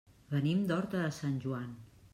Venim de Horta de Sant Joan.